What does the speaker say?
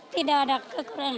tidak ada kekurangan